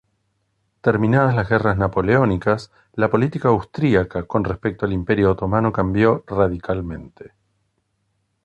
Terminadas las guerras napoleónicas, la política austríaca con respecto al imperio otomano cambió radicalmente.